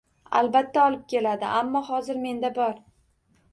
Albatta, olib keladi. Ammo hozir menda bor.